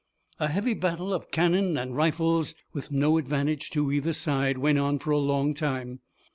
A heavy battle of cannon and rifles, with no advantage to either side, went on for a long time.